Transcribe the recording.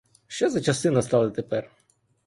Що за часи настали тепер?